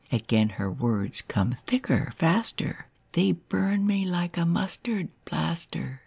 Again her words come thicker, faster, They burn me like a mustard plaster.